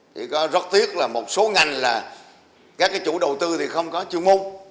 thì có rất tiếc là một số ngành là các chủ đầu tư thì không có chuyên ngôn